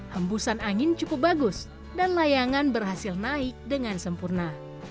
hembusan angin cukup bagus dan layangan berhasil naik dengan sempurna